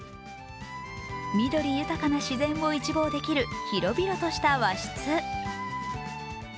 緑豊かな自然を一望できる広々とした和室。